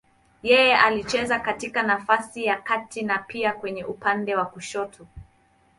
Yeye alicheza katika nafasi ya kati na pia kwenye upande wa kushoto.